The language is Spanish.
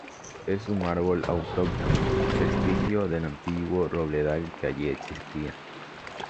Es un árbol autóctono, vestigio del antiguo robledal que allí existía.